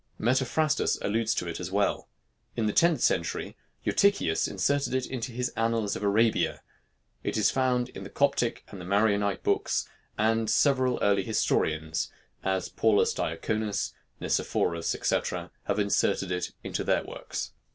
Metaphrastus alludes to it as well; in the tenth century Eutychius inserted it in his annals of Arabia; it is found in the Coptic and the Maronite books, and several early historians, as Paulus Diaconus, Nicephorus, &c., have inserted it in their works.